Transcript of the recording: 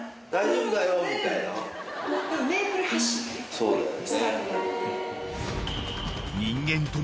そうだよね。